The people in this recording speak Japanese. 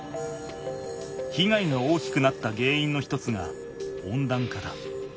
ひがいが大きくなったげんいんの一つが温暖化だ。